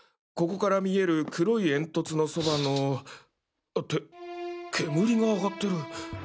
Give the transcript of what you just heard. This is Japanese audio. ここから見える黒い煙突のそばのって煙が上がってる。